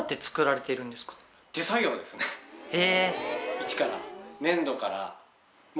一から。